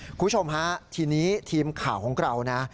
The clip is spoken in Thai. คุณผู้ชมฮะทีนี้ทีมข่าวของเรานะ